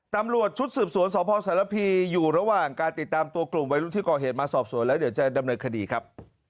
ตำรวจชุดสืบสวนสพสารพีอยู่ระหว่างการติดตามตัวกลุ่มวัยรุ่นที่ก่อเหตุมาสอบสวนแล้วเดี๋ยวจะดำเนินคดีครับ